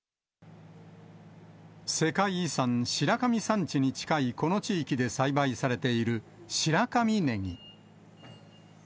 世界遺産、白神山地に近いこの地域で栽培されている白神ねぎ。